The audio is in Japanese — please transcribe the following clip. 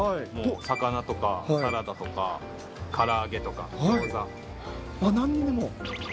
魚とかサラダとかから揚げとかギなんにでも。